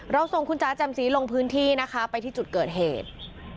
ส่งคุณจ๋าแจ่มสีลงพื้นที่นะคะไปที่จุดเกิดเหตุ